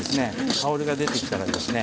香りが出てきたらですね